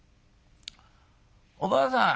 おばあさん